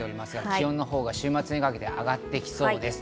気温のほうが週末にかけて上がってきそうです。